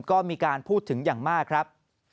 ก็มีการพูดถึงอย่างมากครับ